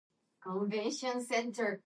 Higher points are discouraged.